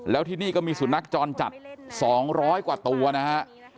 แล้วที่นี่ก็มีสุดนักจรจัดสองร้อยกว่าตัวนะฮะ